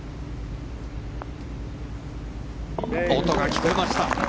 音が聞こえました。